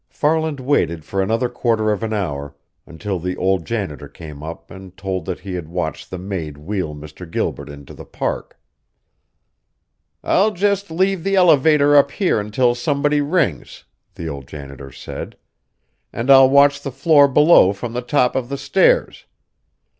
Farland waited for another quarter of an hour, until the old janitor came up and told that he had watched the maid wheel Mr. Gilbert into the Park. "I'll just leave the elevator up here until somebody rings," the old janitor said, "and I'll watch the floor below from the top of the stairs.